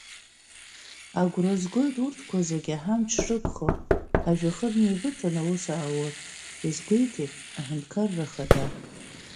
Агәра згоит урҭқәа зегьы ҳамч шрықәхо, ҳажәҩахыр неибыҭаны аус ааур, иазгәеиҭеит Аҳәынҭқарра Ахада.